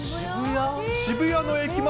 渋谷の駅前。